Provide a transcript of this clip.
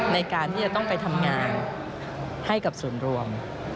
ในการที่จะต้องไปทำงานให้กับส่วนรวม